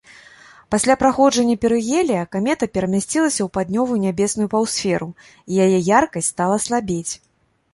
Пасля праходжання перыгелія камета перамясцілася ў паўднёвую нябесную паўсферу, і яе яркасць стала слабець.